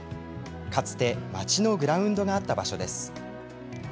かつて町のグラウンドがあった場所です。